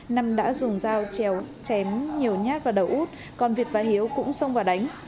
năm đã dùng dao chém nhiều nhát vào đầu út còn việt và hiếu cũng xông vào đánh